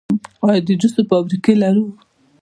آیا د جوس فابریکې لرو؟